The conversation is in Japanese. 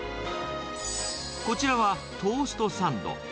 こちらは、トーストサンド。